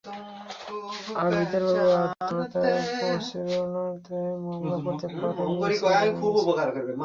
আবিদার বাবা আত্মহত্যার প্ররোচনার দায়ে মামলা করতে পারেন বলে এসআই জানিয়েছেন।